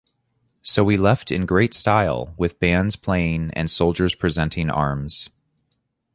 So we left in great style, with bands playing and soldiers presenting arms.